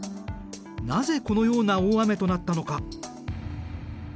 なぜこのような大雨となったのか。